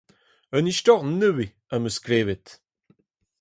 Un istor nevez am eus klevet.